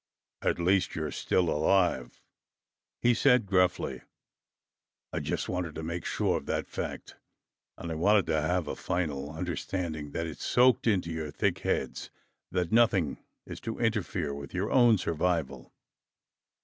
"At least you are still alive," he said gruffly. "I just wanted to make sure of that fact, and I wanted to have a final understanding that it's soaked into your thick heads that nothing is to interfere with your own survival."